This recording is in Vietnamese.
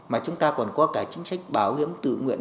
mà chúng ta còn có cả chính sách bảo hiểm tự nguyện